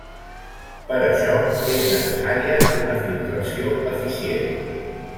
Per això, és necessària una filtració eficient.